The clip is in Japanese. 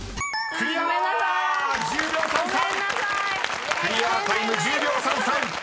［クリアタイム１０秒３３］